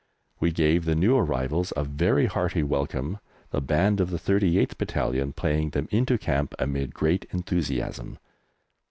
We gave the new arrivals a very hearty welcome, the band of the 38th Battalion playing them into Camp amid great enthusiasm.